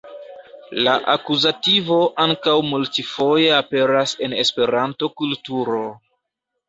La akuzativo ankaŭ multfoje aperas en Esperanta kulturo.